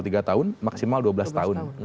tiga tahun maksimal dua belas tahun